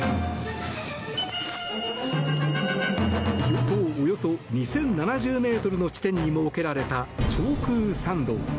標高およそ２０７０ｍの地点に設けられた長空桟道。